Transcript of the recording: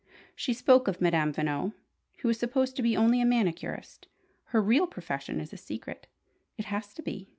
She spoke of Madame Veno, who is supposed to be only a manicurist. Her real profession is a secret. It has to be!